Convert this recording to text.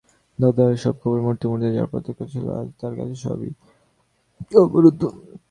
দাদার সব খবরই মুহূর্তে মুহূর্তে যার প্রত্যক্ষগোচর ছিল, আজ তার কাছে সবই অবরুদ্ধ।